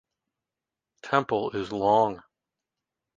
Temple is long.